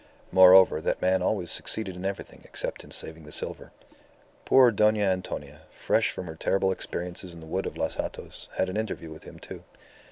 Moreover, that man always succeeded in everything except in saving the silver. Poor Dona Antonia, fresh from her terrible experiences in the woods of Los Hatos, had an interview with him, too.